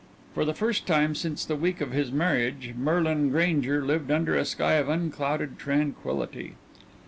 For the first time since the week of his marriage Merlin Grainger lived under a sky of unclouded tranquillity.